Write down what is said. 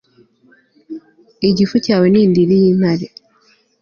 igifu cyawe ni indiri yintare